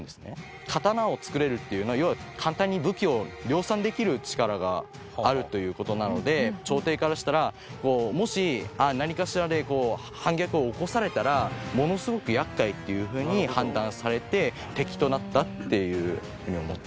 刀を作れるっていうのは要は簡単に武器を量産できる力があるという事なので朝廷からしたらもし何かしらで反逆を起こされたらものすごく厄介っていう風に判断されて敵となったっていう風に思っています。